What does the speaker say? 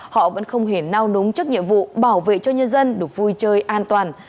họ vẫn không hề nao núng chức nhiệm vụ bảo vệ cho nhân dân được vui chơi an toàn